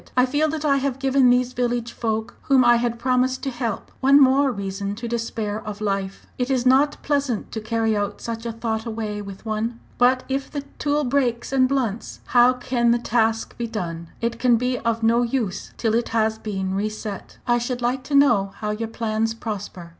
I feel that I have given these village folk, whom I had promised to help, one more reason to despair of life. It is not pleasant to carry such a thought away with one. But if the tool breaks and blunts, how can the task be done? It can be of no use till it has been re set. "I should like to know how your plans prosper.